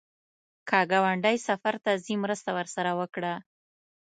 که ګاونډی سفر ته ځي، مرسته ورسره وکړه